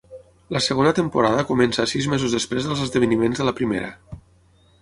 La segona temporada comença sis mesos després dels esdeveniments de la primera.